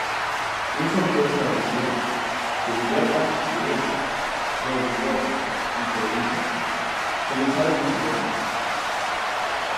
Un sorteo estableció que Libertas Firenze, Pro Livorno y Treviso comenzaran más adelante.